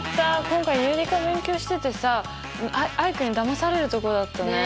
今回有理化勉強しててさアイクにだまされるところだったね。